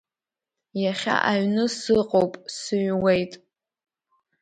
Иахьа аҩны сыҟоуп, сыҩуеит.